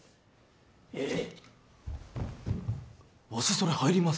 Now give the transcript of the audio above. ええわしそれ入ります